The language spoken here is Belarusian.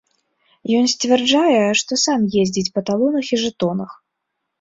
Ён сцвярджае, што сам ездзіць па талонах і жэтонах.